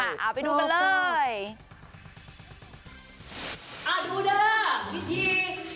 เห็นไหมโอ้โฮฝุ่นกระจายเลยแสดงว่าแรงดี